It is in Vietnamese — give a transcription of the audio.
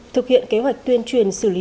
thực hiện kế hoạch tuyên truyền xử lý